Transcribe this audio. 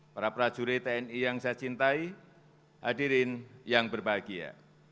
para prajurit tni yang saya cintai hadirin yang berbahagia